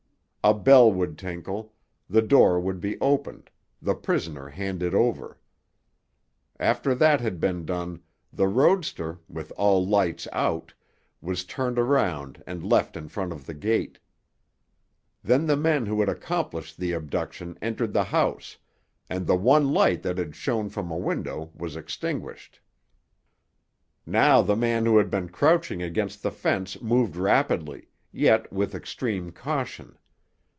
A bell would tinkle, the door would be opened, the prisoner handed over. After that had been done, the roadster, with all lights out, was turned around and left in front of the gate. Then the men who had accomplished the abduction entered the house, and the one light that had shone from a window was extinguished. Now the man who had been crouching against the fence moved rapidly, yet with extreme caution.